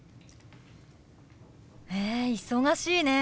へえ忙しいね。